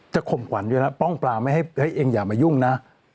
ข่มขวัญด้วยนะป้องปลาไม่ให้เองอย่ามายุ่งนะ